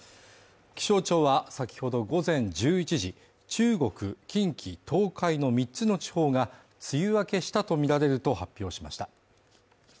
気象庁はさきほど午前１１時中国・近畿・東海三つの地方が梅雨明けしたとみられると発表しました。